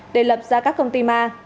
để lập ra các công ty ma